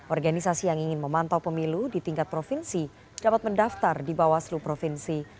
organisasi yang ingin memantau pemilu di tingkat provinsi dapat mendaftar di bawaslu provinsi